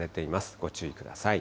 ご注意ください。